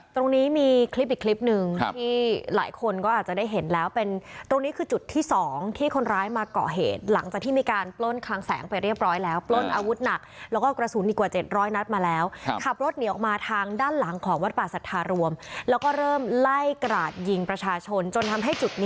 ตรงนี้มีคลิปอีกคลิปหนึ่งที่หลายคนก็อาจจะได้เห็นแล้วเป็นตรงนี้คือจุดที่สองที่คนร้ายมาเกาะเหตุหลังจากที่มีการปล้นคลังแสงไปเรียบร้อยแล้วปล้นอาวุธหนักแล้วก็กระสุนอีกกว่าเจ็ดร้อยนัดมาแล้วขับรถหนีออกมาทางด้านหลังของวัดป่าสัทธารวมแล้วก็เริ่มไล่กราดยิงประชาชนจนทำให้จุดนี้